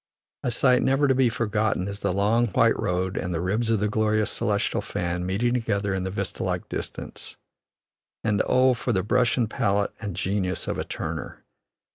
A sight never to be forgotten is the long white road and the ribs of the glorious celestial fan meeting together in the vista like distance; and oh, for the brush and palette and genius of a Turner!